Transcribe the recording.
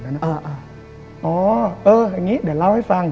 อ๋อเอออย่างนี้เดี๋ยวเล่าให้ฟัง